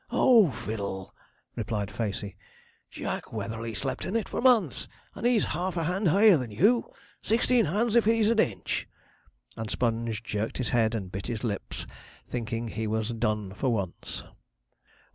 'Oh, fiddle!' replied Facey, 'Jack Weatherley slept in it for months, and he's half a hand higher than you sixteen hands, if he's an inch.' And Sponge jerked his head and bit his lips, thinking he was 'done' for once.